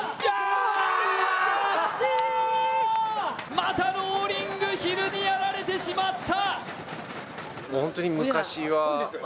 またローリングヒルにやられてしまった！